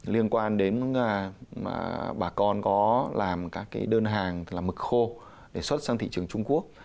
liên quan đến bà con có làm các đơn hàng là mực khô để xuất sang thị trường trung quốc